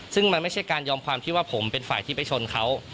ซึ่งมันไม่ใช่การยอมความที่ว่าผมเป็นฝ่ายที่ไปชนเขา